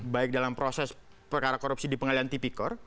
baik dalam proses perkara korupsi di pengadilan tipikor